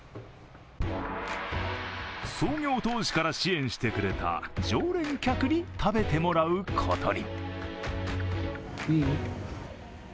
創業当時から支援してくれた常連客に食べてもらうことに。